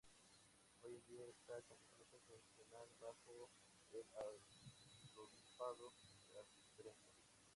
Hoy en día esta es completamente funcional bajo el Arzobispado Castrense.